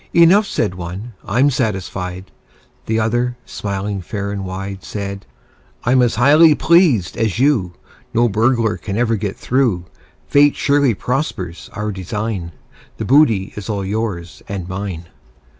"Enough," said one: "I'm satisfied." The other, smiling fair and wide, Said: "I'm as highly pleased as you: No burglar ever can get through. Fate surely prospers our design The booty all is yours and mine."